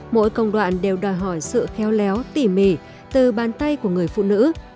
mỗi công đoạn đều đòi hỏi sự khéo léo tỉ mỉ từ bàn tay của người phụ nữ